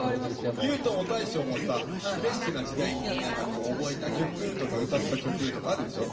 優斗も大昇もさフレッシュな時代に何かこう覚えた曲とか歌った曲とかあるでしょ。